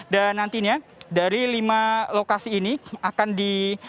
dan nantinya dari lima lokasi ini akan di